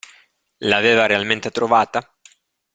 L'aveva realmente trovata?